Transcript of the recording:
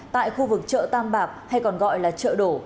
tại khu vực chợ tam bạc hay còn gọi là chợ đổ